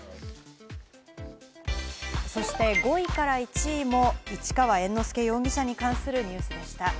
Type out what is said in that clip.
そして５位から１位も市川猿之助容疑者に関するニュースでした。